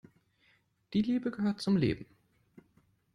Die Liebe gehört zum Leben.